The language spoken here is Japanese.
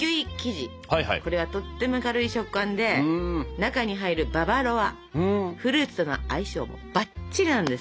これはとっても軽い食感で中に入るババロアフルーツとの相性もバッチリなんです！